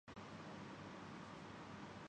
دونوں نے ایک دوسرے پرزوردار حملہ کیا